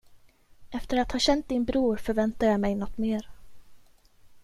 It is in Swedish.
Efter att ha känt din bror förväntade jag mig något mer.